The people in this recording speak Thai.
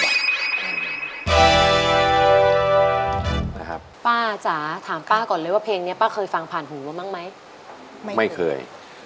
นี้นะครับป้าจ๋าถามป้าก่อนเลยว่าเพลงนี้เป็นเคยฟังผ่านหูว่ะยังไหมไม่เคย